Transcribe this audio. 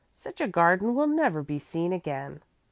Such a garden will never be seen again.